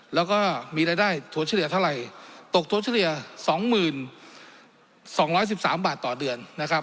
แล้วก็มีรายได้ถั่วเฉลี่ยเท่าไหร่ตกถั่วเฉลี่ย๒๒๑๓บาทต่อเดือนนะครับ